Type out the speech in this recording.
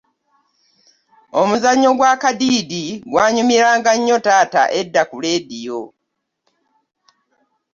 Omuzannyo gwa Kadiidi gwanyumiranga nnyo taata edda ku leediyo.